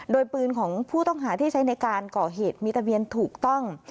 โดยปืนของผู้ต้องหาที่ใช้ในการก่อเหตุมีทะเบียนถูกต้อง